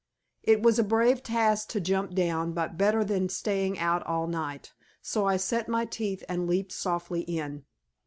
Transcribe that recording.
It was a brave task to jump down but better than staying out all night, so I set my teeth and leaped softly in.